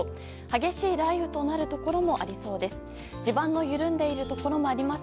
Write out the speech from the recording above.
激しい雷雨となるところもありそうです。